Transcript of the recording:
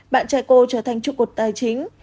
bạn trai cô trở thành trụ cột tài chính